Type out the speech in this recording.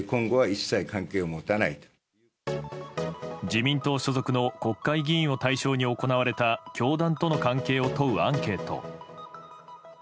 自民党所属の国会議員を対象に行われた教団との関係を問うアンケート。